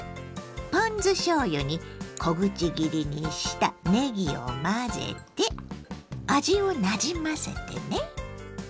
ポン酢しょうゆに小口切りにしたねぎを混ぜて味をなじませてね。